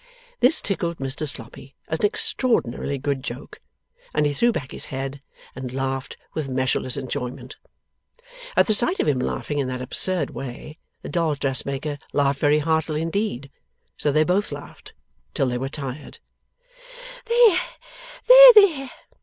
This tickled Mr Sloppy as an extraordinarily good joke, and he threw back his head and laughed with measureless enjoyment. At the sight of him laughing in that absurd way, the dolls' dressmaker laughed very heartily indeed. So they both laughed, till they were tired. 'There, there, there!